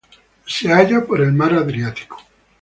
Se la halla poa el mar Adriático.